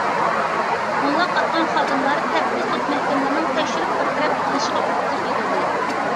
موللاق ئاتقان خادىملار تەپتىش، سوت مەھكىمىلىرىنىڭ تەكشۈرۈپ بىر تەرەپ قىلىشىغا ئۆتكۈزۈپ بېرىلدى.